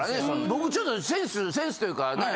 僕ちょっとセンスセンスというかね